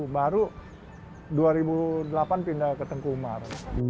baru dua ribu delapan pindah ke tengkumar